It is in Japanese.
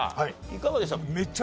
いかがでした？